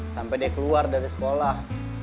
sampe deh keluar dari sekolah